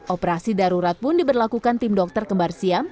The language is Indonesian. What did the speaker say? operasi darurat pun diberlakukan tim dokter kembar siam